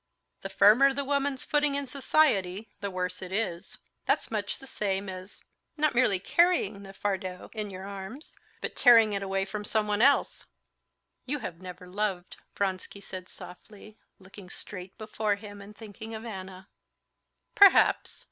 "The firmer the woman's footing in society, the worse it is. That's much the same as—not merely carrying the fardeau in your arms—but tearing it away from someone else." "You have never loved," Vronsky said softly, looking straight before him and thinking of Anna. "Perhaps.